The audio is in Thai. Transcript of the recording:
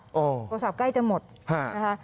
โทรศัพท์ใกล้จะหมดนะคะ